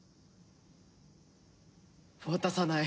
渡さない。